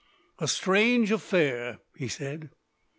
"A strange affair," he said.